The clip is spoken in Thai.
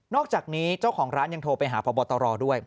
อกจากนี้เจ้าของร้านยังโทรไปหาพบตรด้วย